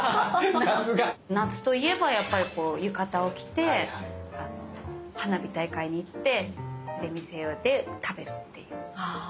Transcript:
さすが！夏といえばやっぱりこう浴衣を着て花火大会に行って出店で食べるっていう。